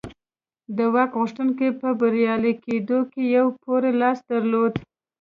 د واک غوښتونکو په بریالي کولو کې یې پوره لاس درلود